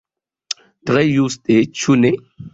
Tre juste, ĉu ne?